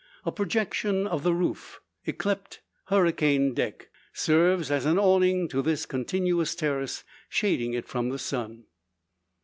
A projection of the roof, yclept "hurricane deck," serves as an awning to this continuous terrace, shading it from the sun.